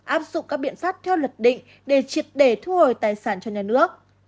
áp dụng các biện pháp theo luật định để triệt để thu hồi tài sản cho nhà nước